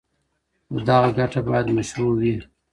خو دغه ګټه باید مشروع وي.